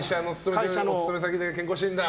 会社の勤め先で健康診断。